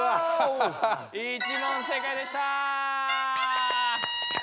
１問正解でした。